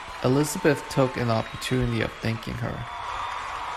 Elizabeth took an opportunity of thanking her.